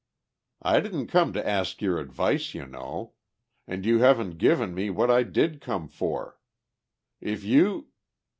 "I didn't come to ask your advice, you know. And you haven't given me what I did come for. If you